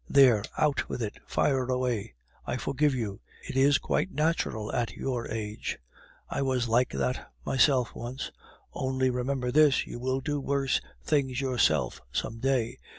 There, out with it, fire away! I forgive you; it is quite natural at your age. I was like that myself once. Only remember this, you will do worse things yourself some day.